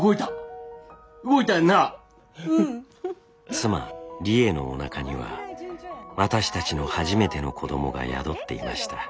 妻理栄のおなかには私たちの初めての子どもが宿っていました。